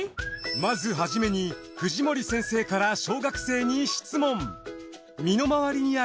まず初めに藤森先生から小学生に質問。